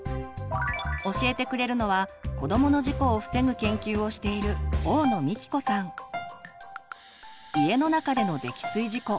教えてくれるのは子どもの事故を防ぐ研究をしている家の中での溺水事故。